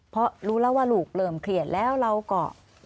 เพราะรู้แล้วว่าลูกเริ่มเครียดแล้วเราก็